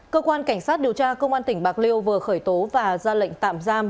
cơ quan cảnh sát điều tra công an tỉnh bạc liêu vừa khởi tố và ra lệnh tạm giam